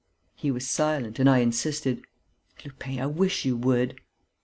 He was silent; and I insisted: "Lupin, I wish you would!"